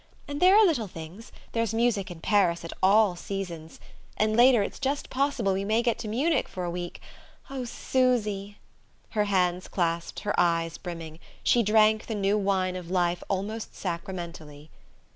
And there are little things there's music in Paris at all seasons. And later it's just possible we may get to Munich for a week oh, Susy!" Her hands clasped, her eyes brimming, she drank the new wine of life almost sacramentally.